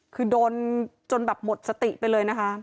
คือโดนจนแบบหมดสติไปเลยนะคะ